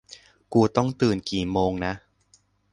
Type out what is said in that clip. กูต้องตื่นกี่โมงนะ